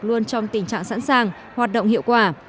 luôn trong tình trạng sẵn sàng hoạt động hiệu quả